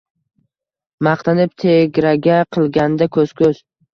Maqtanib, tegraga qilganda ko’z-ko’z